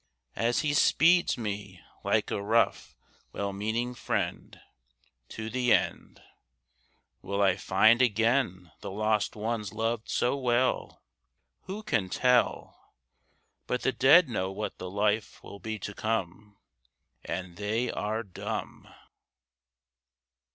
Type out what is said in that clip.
As he speeds me, like a rough, well meaning friend, To the end, Will I find again the lost ones loved so well? Who can tell! But the dead know what the life will be to come— And they are dumb!